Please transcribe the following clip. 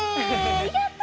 やった！